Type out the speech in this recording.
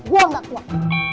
gue gak kuat